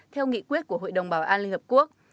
theo nghị quyết của hội đồng bảo an liên hợp quốc